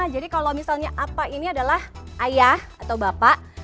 jadi kalau misalnya apa ini adalah ayah atau bapak